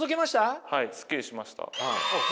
ああすっきりしました？